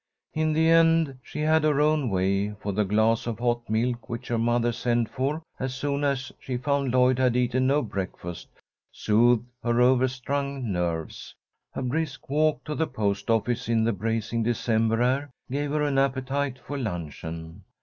In the end she had her own way, for the glass of hot milk which her mother sent for, as soon as she found Lloyd had eaten no breakfast, soothed her overstrung nerves. A brisk walk to the post office in the bracing December air gave her an appetite for luncheon.